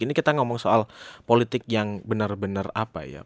ini kita ngomong soal politik yang benar benar apa ya